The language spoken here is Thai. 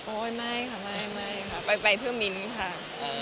โอ้ยไม่ค่ะไปไปเพื่อมิ้นส์ค่ะ